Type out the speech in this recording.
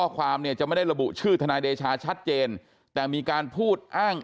ความเนี่ยจะไม่ได้ระบุชื่อทนายเดชาชัดเจนแต่มีการพูดอ้าง